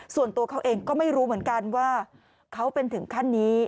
ส่วนตัวเขาเองก็ไม่รู้เหมือนกันว่าเขาเป็นถึงขั้นนี้